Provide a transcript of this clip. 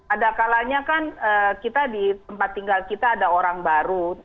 ada kalanya kan kita di tempat tinggal kita ada orang baru